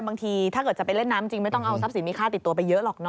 บางทีถ้าเกิดจะไปเล่นน้ำจริงไม่ต้องเอาทรัพย์สินมีค่าติดตัวไปเยอะหรอกเน